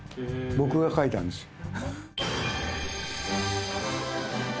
僕が書いたんですよ。